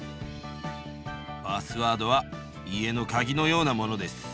パスワードは家のカギのようなものです。